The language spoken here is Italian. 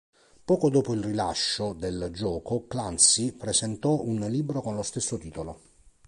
Poco dopo il rilascio del gioco Clancy presentò un libro con lo stesso titolo.